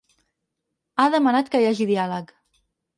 Ha demanat que hi hagi diàleg.